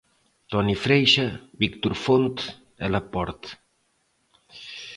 Toni Freixa, Víctor Font e Laporta.